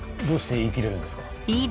どうして言い切れるんですか？